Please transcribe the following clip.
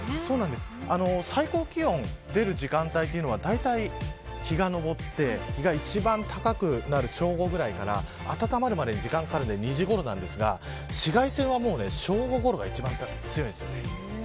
最高気温が出る時間帯がだいたい日が上って、日が一番高くなる正午ぐらいから温まるまで時間がかかるので２時ごろですが紫外線はもう正午ごろが一番強いんです。